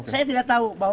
saya tidak tahu